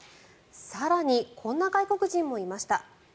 更に、こんな外国人もいました。